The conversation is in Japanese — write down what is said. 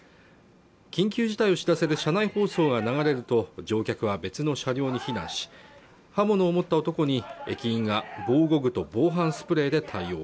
緊急事態を知らせる車内放送が流れると乗客は別の車両に避難し刃物を持った男に駅員が防護具と防犯スプレーで対応